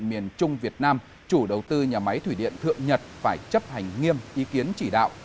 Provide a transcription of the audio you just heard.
miền trung việt nam chủ đầu tư nhà máy thủy điện thượng nhật phải chấp hành nghiêm ý kiến chỉ đạo